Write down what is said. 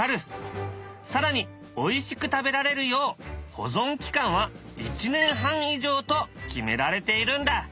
更においしく食べられるよう保存期間は１年半以上と決められているんだ。